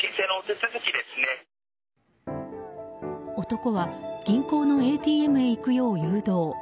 男は銀行のＡＴＭへ行くよう誘導。